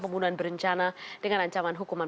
pembunuhan berencana dengan ancaman hukuman